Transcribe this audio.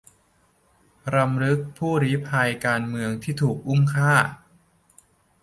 รำลึกผู้ลี้ภัยการเมืองที่ถูกอุ้มฆ่า